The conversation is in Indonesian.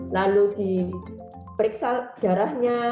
lalu di periksa darahnya